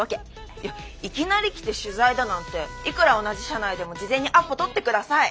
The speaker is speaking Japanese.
いやいきなり来て取材だなんていくら同じ社内でも事前にアポ取って下さい。